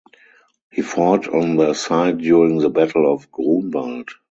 He fought on their side during the Battle of Grunwald.